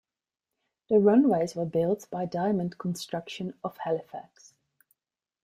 The runways were built by Diamond Construction of Halifax.